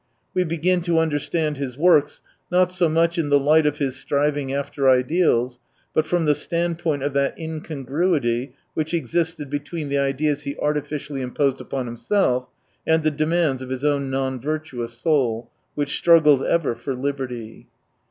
We begin to understand his works, not so much in the light of his striving after ideals, but from the standpoint of that incongruity which existed between the ideas he artificially imposed upon him self, and the demands of his own non virtuous soul, which struggled ever for liberty.